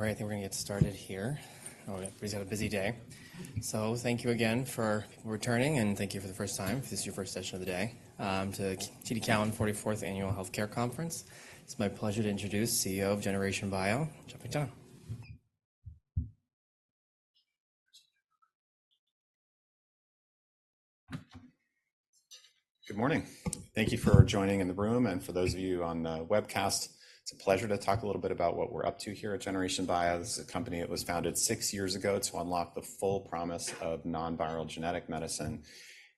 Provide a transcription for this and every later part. All right, I think we're going to get started here. Oh, everybody's got a busy day. So thank you again for returning, and thank you for the first time, if this is your first session of the day, to TD Cowen 44th Annual Healthcare Conference. It's my pleasure to introduce CEO of Generation Bio, Geoff McDonough. Good morning. Thank you for joining in the room. And for those of you on the webcast, it's a pleasure to talk a little bit about what we're up to here at Generation Bio. This is a company that was founded six years ago to unlock the full promise of non-viral genetic medicine.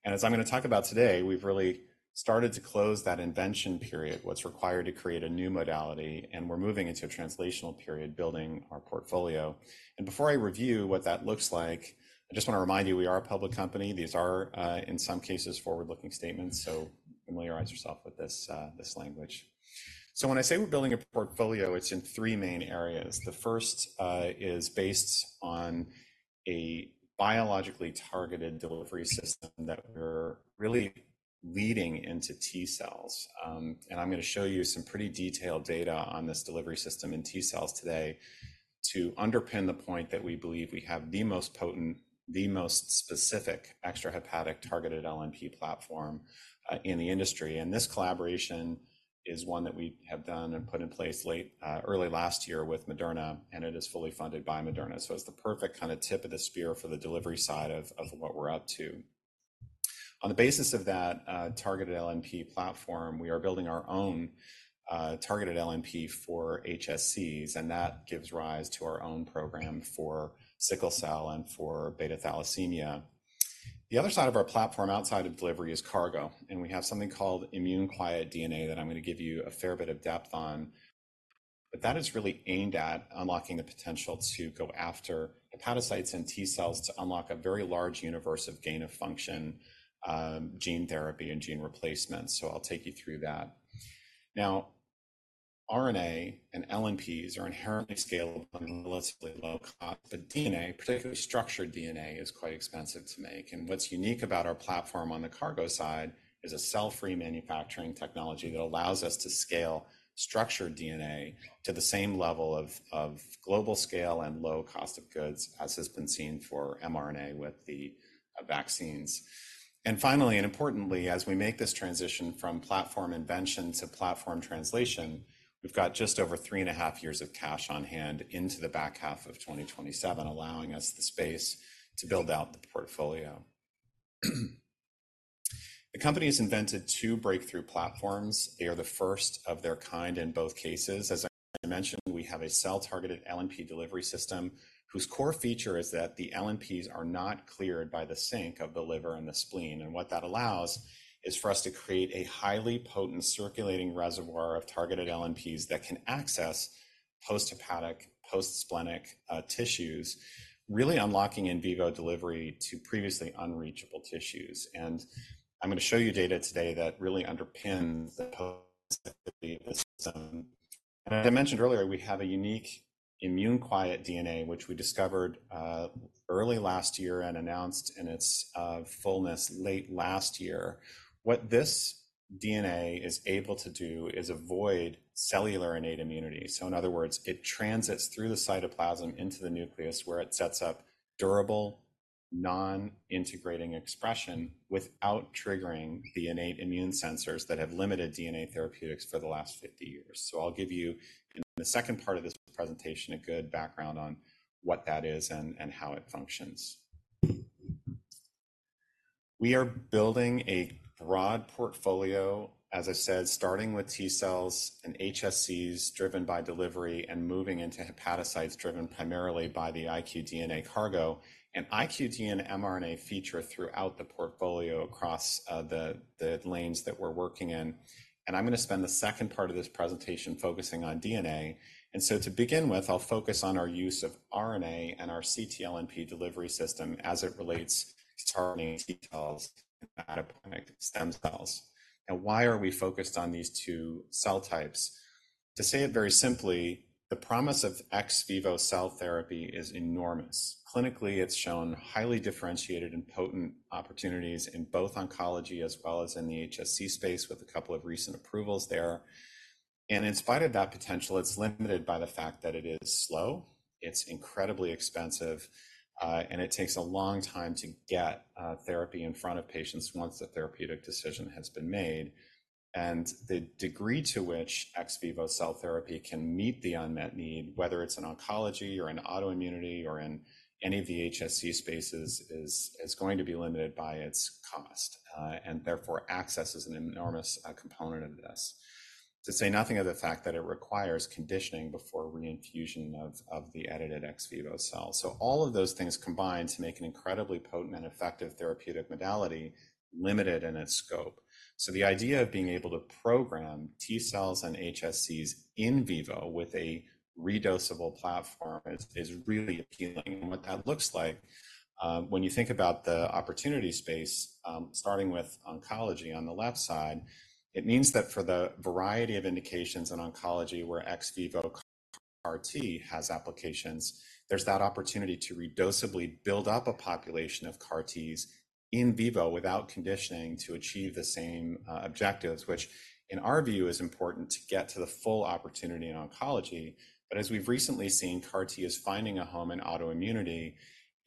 And as I'm going to talk about today, we've really started to close that invention period, what's required to create a new modality, and we're moving into a translational period, building our portfolio. And before I review what that looks like, I just want to remind you we are a public company. These are, in some cases, forward-looking statements, so familiarize yourself with this language. So when I say we're building a portfolio, it's in three main areas. The first is based on a biologically targeted delivery system that we're really leading into T cells. I'm going to show you some pretty detailed data on this delivery system in T cells today to underpin the point that we believe we have the most potent, the most specific extrahepatic targeted LNP platform in the industry. This collaboration is one that we have done and put in place late early last year with Moderna, and it is fully funded by Moderna. So it's the perfect kind of tip of the spear for the delivery side of what we're up to. On the basis of that targeted LNP platform, we are building our own targeted LNP for HSCs, and that gives rise to our own program for sickle cell and for beta thalassemia. The other side of our platform outside of delivery is cargo, and we have something called immune-quiet DNA that I'm going to give you a fair bit of depth on. That is really aimed at unlocking the potential to go after hepatocytes and T cells to unlock a very large universe of gain of function gene therapy and gene replacement. I'll take you through that. Now, RNA and LNPs are inherently scalable and relatively low cost, but DNA, particularly structured DNA, is quite expensive to make. What's unique about our platform on the cargo side is a cell-free manufacturing technology that allows us to scale structured DNA to the same level of global scale and low cost of goods as has been seen for mRNA with the vaccines. Finally, and importantly, as we make this transition from platform invention to platform translation, we've got just over three and a half years of cash on hand into the back half of 2027, allowing us the space to build out the portfolio. The company has invented two breakthrough platforms. They are the first of their kind in both cases. As I mentioned, we have a cell-targeted LNP delivery system whose core feature is that the LNPs are not cleared by the sink of the liver and the spleen. And what that allows is for us to create a highly potent circulating reservoir of targeted LNPs that can access post-hepatic, post-splenic tissues, really unlocking in vivo delivery to previously unreachable tissues. And I'm going to show you data today that really underpins the potential of the system. And as I mentioned earlier, we have a unique immune-quiet DNA, which we discovered early last year and announced in its fullness late last year. What this DNA is able to do is avoid cellular innate immunity. So in other words, it transits through the cytoplasm into the nucleus where it sets up durable non-integrating expression without triggering the innate immune sensors that have limited DNA therapeutics for the last 50 years. I'll give you in the second part of this presentation a good background on what that is and how it functions. We are building a broad portfolio, as I said, starting with T cells and HSCs driven by delivery and moving into hepatocytes driven primarily by the iqDNA cargo. iqDNA and mRNA feature throughout the portfolio across the lanes that we're working in. I'm going to spend the second part of this presentation focusing on DNA. To begin with, I'll focus on our use of RNA and our ctLNP delivery system as it relates to targeting T cells and hematopoietic stem cells. Now, why are we focused on these two cell types? To say it very simply, the promise of ex vivo cell therapy is enormous. Clinically, it's shown highly differentiated and potent opportunities in both oncology as well as in the HSC space, with a couple of recent approvals there. In spite of that potential, it's limited by the fact that it is slow, it's incredibly expensive, and it takes a long time to get therapy in front of patients once the therapeutic decision has been made. The degree to which ex vivo cell therapy can meet the unmet need, whether it's in oncology or in autoimmunity or in any of the HSC spaces, is going to be limited by its cost and therefore access is an enormous component of this. To say nothing of the fact that it requires conditioning before reinfusion of the edited ex vivo cells. So all of those things combine to make an incredibly potent and effective therapeutic modality, limited in its scope. So the idea of being able to program T cells and HSCs in vivo with a redosable platform is really appealing. And what that looks like, when you think about the opportunity space, starting with oncology on the left side, it means that for the variety of indications in oncology where ex vivo CAR-T has applications, there's that opportunity to redosably build up a population of CAR-Ts in vivo without conditioning to achieve the same objectives, which in our view is important to get to the full opportunity in oncology. But as we've recently seen, CAR-T is finding a home in autoimmunity,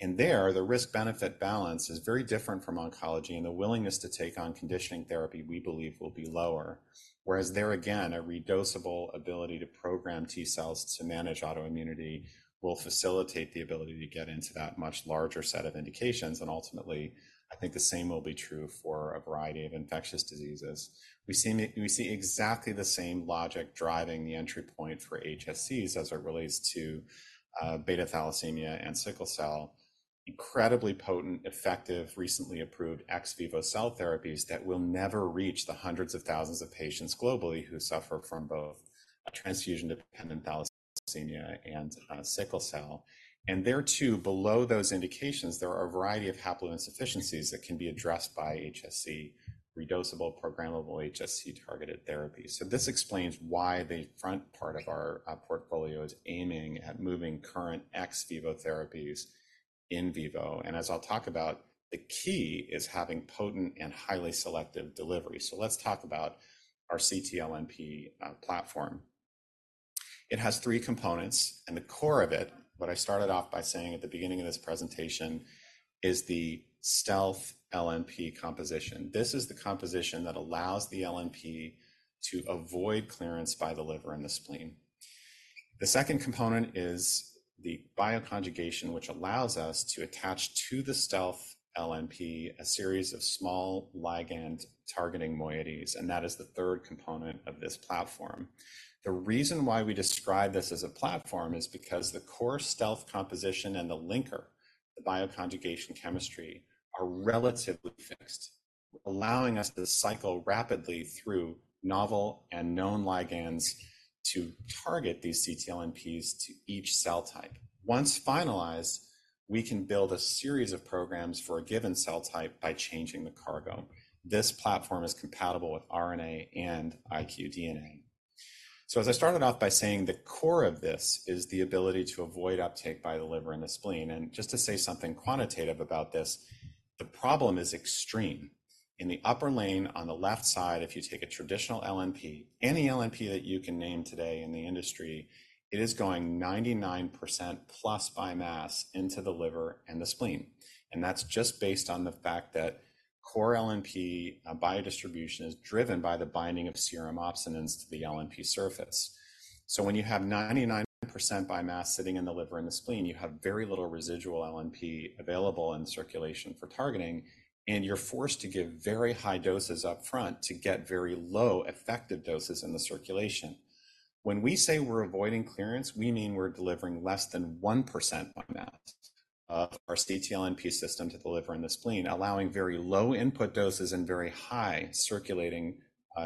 and there the risk-benefit balance is very different from oncology, and the willingness to take on conditioning therapy we believe will be lower. Whereas there, again, a redosable ability to program T cells to manage autoimmunity will facilitate the ability to get into that much larger set of indications. And ultimately, I think the same will be true for a variety of infectious diseases. We see exactly the same logic driving the entry point for HSCs as it relates to beta thalassemia and sickle cell. Incredibly potent, effective, recently approved ex vivo cell therapies that will never reach the hundreds of thousands of patients globally who suffer from both transfusion-dependent thalassemia and sickle cell. And there too, below those indications, there are a variety of haploinsufficiencies that can be addressed by HSC redosable, programmable HSC-targeted therapies. So this explains why the front part of our portfolio is aiming at moving current ex vivo therapies in vivo. And as I'll talk about, the key is having potent and highly selective delivery. Let's talk about our ctLNP platform. It has three components. The core of it, what I started off by saying at the beginning of this presentation, is the stealth LNP composition. This is the composition that allows the LNP to avoid clearance by the liver and the spleen. The second component is the bioconjugation, which allows us to attach to the stealth LNP a series of small ligand targeting moieties. That is the third component of this platform. The reason why we describe this as a platform is because the core stealth composition and the linker, the bioconjugation chemistry, are relatively fixed, allowing us to cycle rapidly through novel and known ligands to target these ctLNPs to each cell type. Once finalized, we can build a series of programs for a given cell type by changing the cargo. This platform is compatible with RNA and iqDNA. So as I started off by saying, the core of this is the ability to avoid uptake by the liver and the spleen. And just to say something quantitative about this, the problem is extreme. In the upper lane on the left side, if you take a traditional LNP, any LNP that you can name today in the industry, it is going 99%+ by mass into the liver and the spleen. And that's just based on the fact that core LNP biodistribution is driven by the binding of serum opsonins to the LNP surface. So when you have 99% by mass sitting in the liver and the spleen, you have very little residual LNP available in circulation for targeting, and you're forced to give very high doses upfront to get very low effective doses in the circulation. When we say we're avoiding clearance, we mean we're delivering less than 1% by mass of our ctLNP system to the liver and the spleen, allowing very low input doses and very high circulating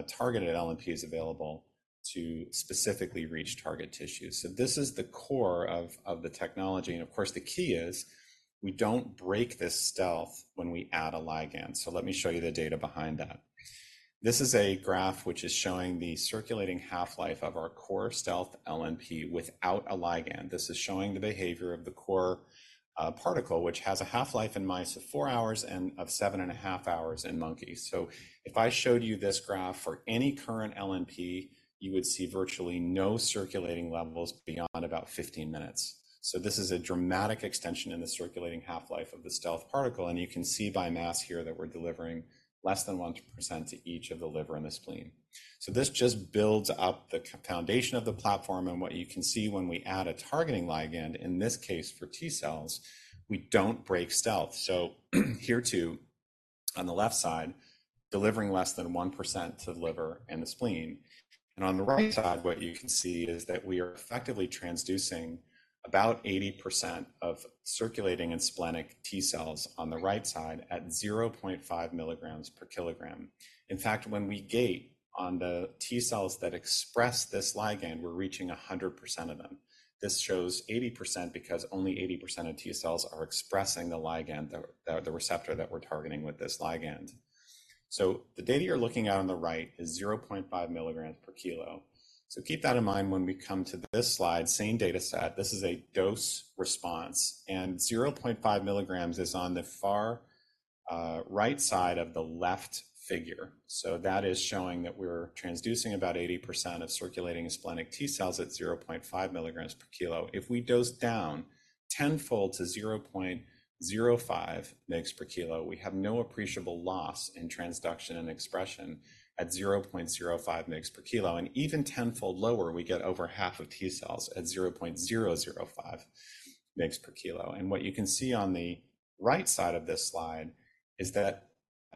targeted LNPs available to specifically reach target tissues. So this is the core of the technology. And of course, the key is we don't break this stealth when we add a ligand. So let me show you the data behind that. This is a graph which is showing the circulating half-life of our core stealth LNP without a ligand. This is showing the behavior of the core particle, which has a half-life in mice of 4 hours and of 7.5 hours in monkeys. So if I showed you this graph for any current LNP, you would see virtually no circulating levels beyond about 15 minutes. This is a dramatic extension in the circulating half-life of the stealth particle. You can see by mass here that we're delivering less than 1% to each of the liver and the spleen. This just builds up the foundation of the platform. What you can see when we add a targeting ligand, in this case for T cells, we don't break stealth. Here too, on the left side, delivering less than 1% to the liver and the spleen. On the right side, what you can see is that we are effectively transducing about 80% of circulating and splenic T cells on the right side at 0.5 milligrams per kilogram. In fact, when we gate on the T cells that express this ligand, we're reaching 100% of them. This shows 80% because only 80% of T cells are expressing the ligand, the receptor that we're targeting with this ligand. So the data you're looking at on the right is 0.5 mg/kg. So keep that in mind when we come to this slide, same data set. This is a dose response, and 0.5 mg/kg is on the far right side of the left figure. So that is showing that we're transducing about 80% of circulating and splenic T cells at 0.5 mg/kg. If we dose down tenfold to 0.05 mg/kg, we have no appreciable loss in transduction and expression at 0.05 mg/kg. And even tenfold lower, we get over half of T cells at 0.005 mg/kg. What you can see on the right side of this slide is that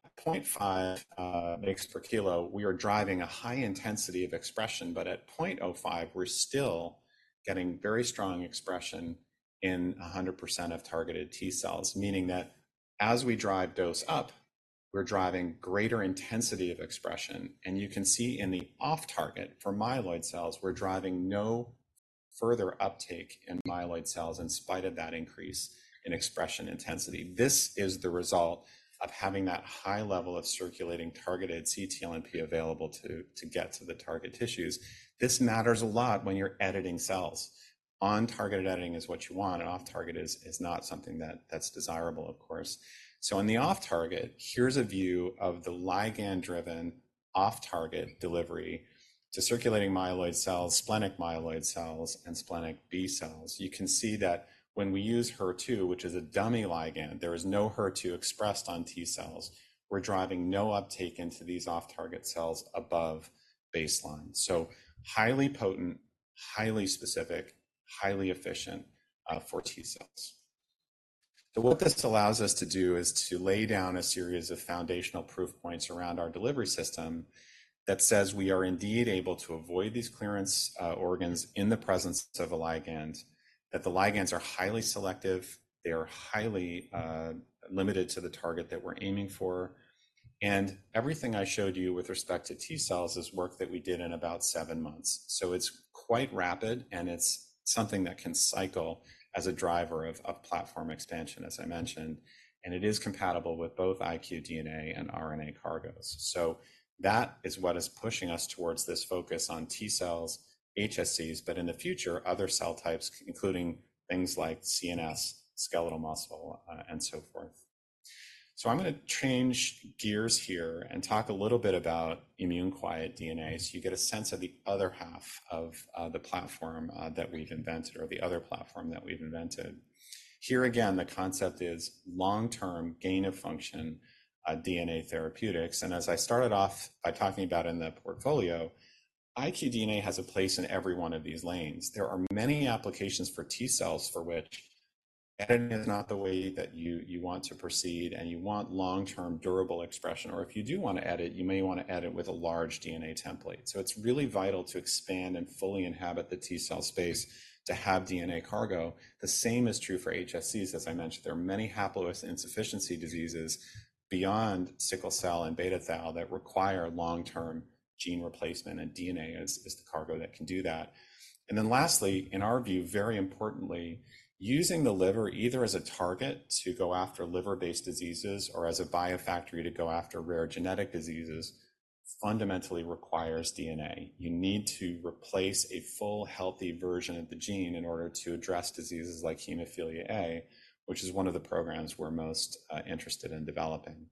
at 0.5 mg/kg, we are driving a high intensity of expression, but at 0.05, we're still getting very strong expression in 100% of targeted T cells, meaning that as we drive dose up, we're driving greater intensity of expression. And you can see in the off-target for myeloid cells, we're driving no further uptake in myeloid cells in spite of that increase in expression intensity. This is the result of having that high level of circulating targeted ctLNP available to get to the target tissues. This matters a lot when you're editing cells. On-target editing is what you want, and off-target is not something that's desirable, of course. So on the off-target, here's a view of the ligand-driven off-target delivery to circulating myeloid cells, splenic myeloid cells, and splenic B cells. You can see that when we use HER2, which is a dummy ligand, there is no HER2 expressed on T cells. We're driving no uptake into these off-target cells above baseline. So highly potent, highly specific, highly efficient for T cells. So what this allows us to do is to lay down a series of foundational proof points around our delivery system that says we are indeed able to avoid these clearance organs in the presence of a ligand, that the ligands are highly selective, they are highly limited to the target that we're aiming for. Everything I showed you with respect to T cells is work that we did in about seven months. So it's quite rapid, and it's something that can cycle as a driver of platform expansion, as I mentioned. It is compatible with both iqDNA and RNA cargos. So that is what is pushing us towards this focus on T cells, HSCs, but in the future, other cell types, including things like CNS, skeletal muscle, and so forth. So I'm going to change gears here and talk a little bit about immune-quiet DNA so you get a sense of the other half of the platform that we've invented or the other platform that we've invented. Here again, the concept is long-term gain of function DNA therapeutics. And as I started off by talking about in the portfolio, iqDNA has a place in every one of these lanes. There are many applications for T cells for which editing is not the way that you want to proceed, and you want long-term durable expression. Or if you do want to edit, you may want to edit with a large DNA template. So it's really vital to expand and fully inhabit the T cell space to have DNA cargo. The same is true for HSCs. As I mentioned, there are many haploinsufficiency diseases beyond sickle cell and beta thal that require long-term gene replacement, and DNA is the cargo that can do that. And then lastly, in our view, very importantly, using the liver either as a target to go after liver-based diseases or as a biofactory to go after rare genetic diseases fundamentally requires DNA. You need to replace a full, healthy version of the gene in order to address diseases like hemophilia A, which is one of the programs we're most interested in developing.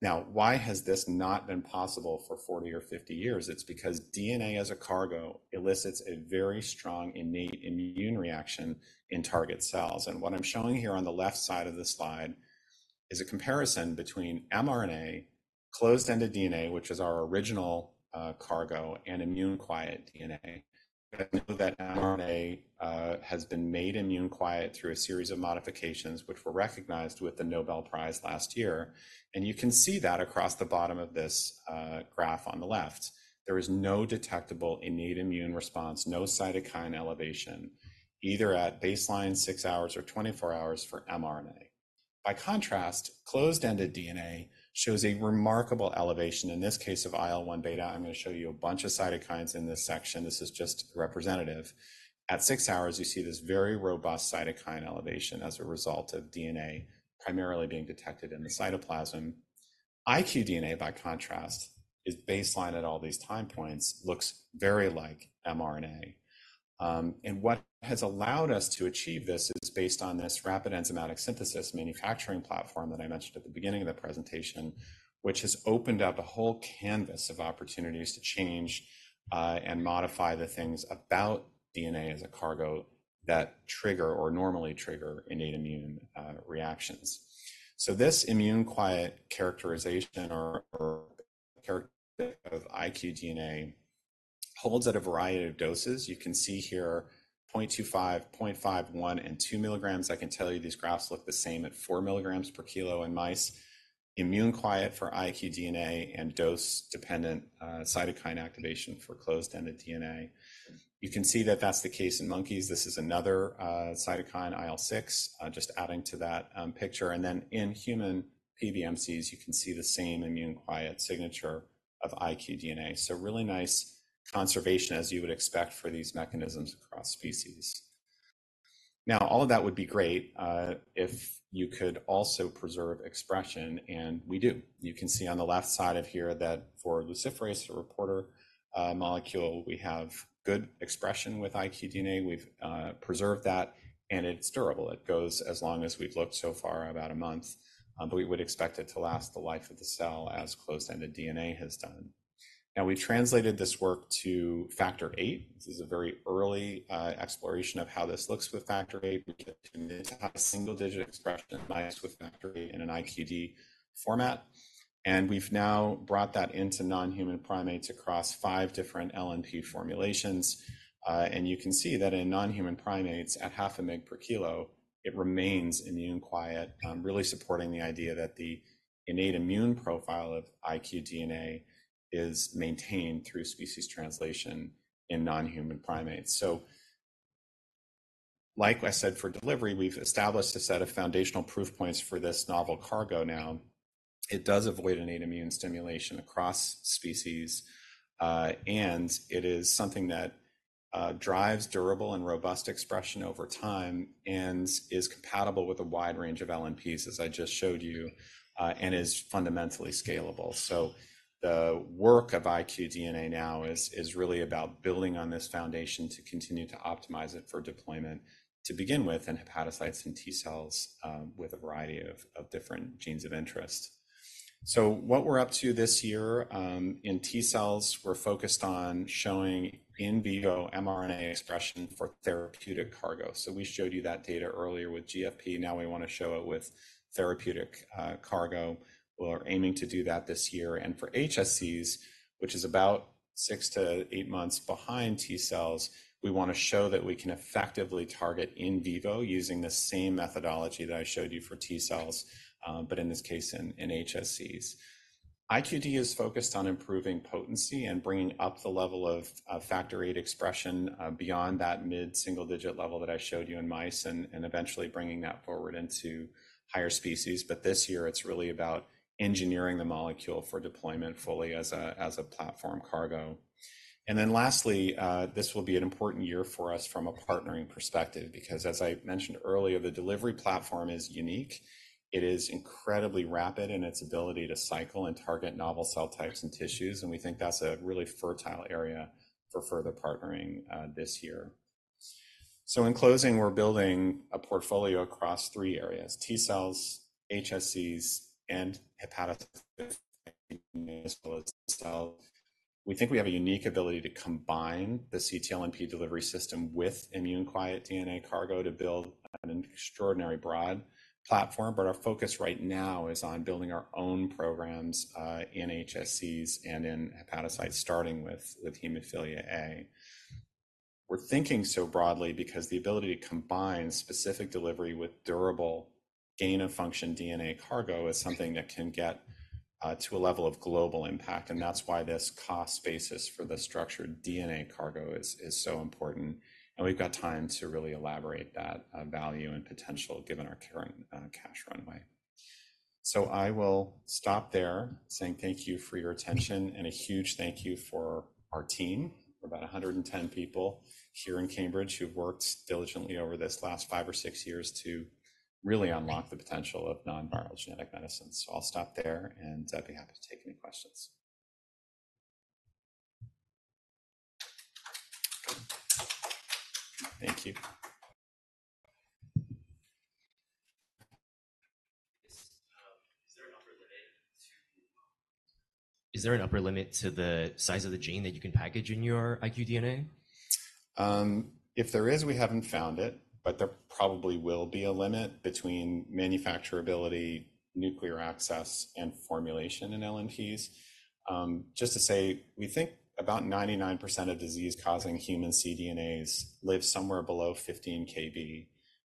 Now, why has this not been possible for 40 or 50 years? It's because DNA as a cargo elicits a very strong, innate immune reaction in target cells. What I'm showing here on the left side of the slide is a comparison between mRNA, closed-ended DNA, which is our original cargo, and immune-quiet DNA. I know that mRNA has been made immune-quiet through a series of modifications, which were recognized with the Nobel Prize last year. You can see that across the bottom of this graph on the left. There is no detectable innate immune response, no cytokine elevation, either at baseline 6 hours or 24 hours for mRNA. By contrast, closed-ended DNA shows a remarkable elevation. In this case of IL-1 beta, I'm going to show you a bunch of cytokines in this section. This is just representative. At 6 hours, you see this very robust cytokine elevation as a result of DNA primarily being detected in the cytoplasm. iqDNA, by contrast, is baseline at all these time points, looks very like mRNA. What has allowed us to achieve this is based on this rapid enzymatic synthesis manufacturing platform that I mentioned at the beginning of the presentation, which has opened up a whole canvas of opportunities to change and modify the things about DNA as a cargo that trigger or normally trigger innate immune reactions. So this immune-quiet characterization or character of iqDNA holds at a variety of doses. You can see here 0.25, 0.5, 1 and 2 milligrams. I can tell you these graphs look the same at 4 milligrams per kilo in mice. Immune-quiet for iqDNA and dose-dependent cytokine activation for closed-ended DNA. You can see that that's the case in monkeys. This is another cytokine, IL-6, just adding to that picture. And then in human PBMCs, you can see the same immune-quiet signature of iqDNA. So really nice conservation, as you would expect, for these mechanisms across species. Now, all of that would be great if you could also preserve expression, and we do. You can see on the left side of here that for luciferase reporter molecule, we have good expression with iqDNA. We've preserved that, and it's durable. It goes as long as we've looked so far, about a month. But we would expect it to last the life of the cell as closed-ended DNA has done. Now, we translated this work to Factor VIII. This is a very early exploration of how this looks with Factor VIII. We get to have single-digit expression in mice with Factor VIII in an iqDNA format. And we've now brought that into non-human primates across five different LNP formulations. You can see that in non-human primates, at 0.5 mg per kilo, it remains immune-quiet, really supporting the idea that the innate immune profile of iqDNA is maintained through species translation in non-human primates. So like I said for delivery, we've established a set of foundational proof points for this novel cargo now. It does avoid innate immune stimulation across species, and it is something that drives durable and robust expression over time and is compatible with a wide range of LNPs, as I just showed you, and is fundamentally scalable. So the work of iqDNA now is really about building on this foundation to continue to optimize it for deployment to begin with in hepatocytes and T cells with a variety of different genes of interest. So what we're up to this year in T cells, we're focused on showing in vivo mRNA expression for therapeutic cargo. So we showed you that data earlier with GFP. Now we want to show it with therapeutic cargo. We're aiming to do that this year. And for HSCs, which is about 6-8 months behind T cells, we want to show that we can effectively target in vivo using the same methodology that I showed you for T cells, but in this case, in HSCs. iqDNA is focused on improving potency and bringing up the level of Factor VIII expression beyond that mid-single-digit level that I showed you in mice and eventually bringing that forward into higher species. But this year, it's really about engineering the molecule for deployment fully as a platform cargo. And then lastly, this will be an important year for us from a partnering perspective because, as I mentioned earlier, the delivery platform is unique. It is incredibly rapid in its ability to cycle and target novel cell types and tissues. We think that's a really fertile area for further partnering this year. In closing, we're building a portfolio across three areas: T cells, HSCs, and hepatocytes as well as T cells. We think we have a unique ability to combine the ctLNP delivery system with immune-quiet DNA cargo to build an extraordinarily broad platform. Our focus right now is on building our own programs in HSCs and in hepatocytes, starting with hemophilia A. We're thinking so broadly because the ability to combine specific delivery with durable gain of function DNA cargo is something that can get to a level of global impact. That's why this cost basis for the structured DNA cargo is so important. We've got time to really elaborate that value and potential given our current cash runway. So I will stop there saying thank you for your attention and a huge thank you for our team, about 110 people here in Cambridge who've worked diligently over this last five or six years to really unlock the potential of non-viral genetic medicine. So I'll stop there, and I'd be happy to take any questions. Thank you. Is there an upper limit to? Is there an upper limit to the size of the gene that you can package in your iqDNA? If there is, we haven't found it, but there probably will be a limit between manufacturability, nuclear access, and formulation in LNPs. Just to say, we think about 99% of disease-causing human cDNAs live somewhere below 15 kB.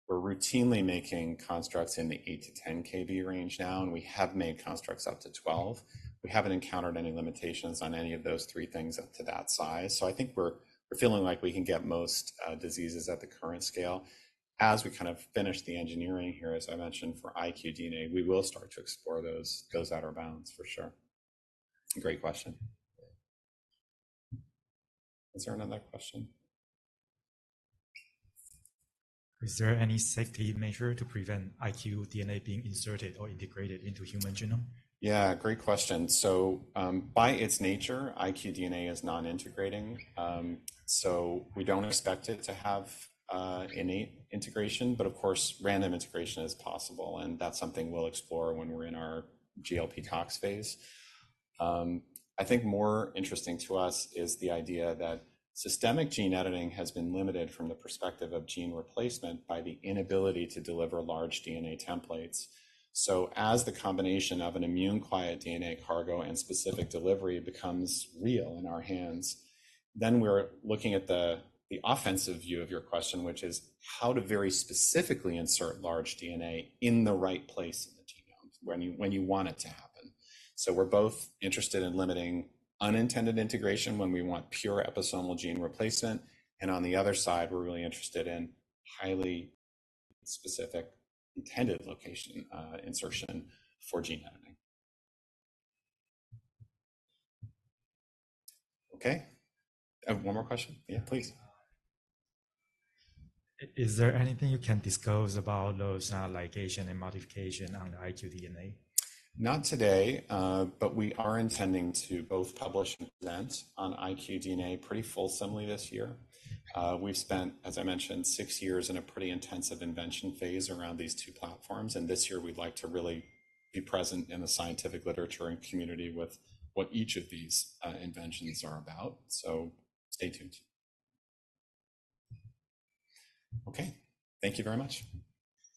We're routinely making constructs in the 8-10 kB range now, and we have made constructs up to 12. We haven't encountered any limitations on any of those three things up to that size. So I think we're feeling like we can get most diseases at the current scale. As we kind of finish the engineering here, as I mentioned, for iqDNA, we will start to explore those outer bounds, for sure. Great question. Is there another question? Is there any safety measure to prevent iqDNA being inserted or integrated into human genomes? Yeah, great question. So by its nature, iqDNA is non-integrating. So we don't expect it to have innate integration, but of course, random integration is possible, and that's something we'll explore when we're in our GLP tox space. I think more interesting to us is the idea that systemic gene editing has been limited from the perspective of gene replacement by the inability to deliver large DNA templates. So as the combination of an immune-quiet DNA cargo and specific delivery becomes real in our hands, then we're looking at the offensive view of your question, which is how to very specifically insert large DNA in the right place in the genome when you want it to happen. So we're both interested in limiting unintended integration when we want pure episomal gene replacement. And on the other side, we're really interested in highly specific intended location insertion for gene editing. Okay. One more question. Yeah, please. Is there anything you can disclose about those ligation and modification on the iqDNA? Not today, but we are intending to both publish and present on iqDNA pretty fulsomely this year. We've spent, as I mentioned, six years in a pretty intensive invention phase around these two platforms. This year, we'd like to really be present in the scientific literature and community with what each of these inventions are about. So stay tuned. Okay. Thank you very much.